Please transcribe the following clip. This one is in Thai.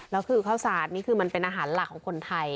แล้วคือข้าวสาดนี่คือมันเป็นอาหารหลักของคนไทย